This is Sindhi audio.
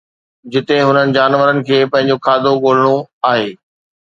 جتي هنن جانورن کي پنهنجو کاڌو ڳولڻو آهي